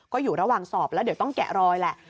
ก็อยู่ระหว่างสอบแล้วเดี๋ยวต้องแกะรอยแหละ